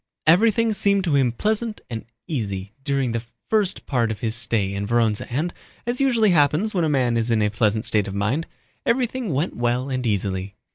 Everything seemed to him pleasant and easy during that first part of his stay in Vorónezh and, as usually happens when a man is in a pleasant state of mind, everything went well and easily.